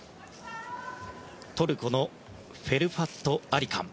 トルコのフェルハット・アリカン。